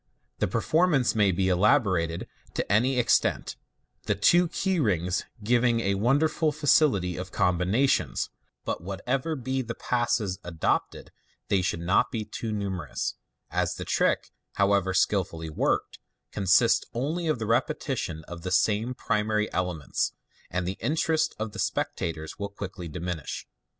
The performance may be elaborated to any extent, the two key rings giving a won deiful facility of com bination, but what ever be the passes adopted they should not be too numerous, as the trick, however skilfully worked, consists only of repetitions of the same primary ele ments, and the interest of the spectators will quickly diminish.